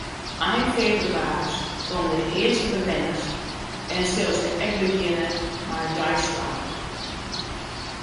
Ein febrewaris komme de earste bewenners en sille se ek begjinne mei deisoarch.